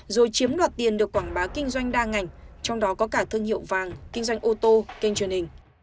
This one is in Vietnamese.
rồi chiếm đoạt tiền được quảng bá kinh doanh đa ngành trong đó có cả thương hiệu vàng kinh doanh ô tô kênh truyền hình